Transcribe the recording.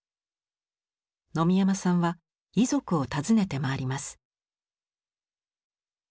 野見山さんは遺族を訪ねて回ります。